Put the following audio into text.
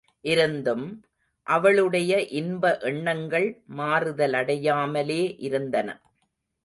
இருந்தும், அவளுடைய இன்ப எண்ணங்கள் மாறுதலடையாமலே இருந்தன.